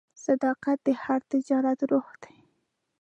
صداقت د هر تجارت روح دی.